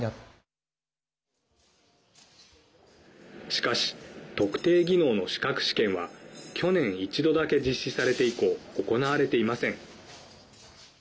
しかし、特定技能の資格試験は去年、一度だけ実施されて以降行われていません。